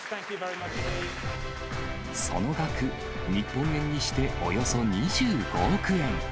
その額、日本円にしておよそ２５億円。